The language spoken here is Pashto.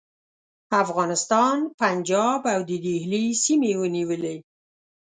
افغانستان، پنجاب او د دهلي سیمې یې ونیولې.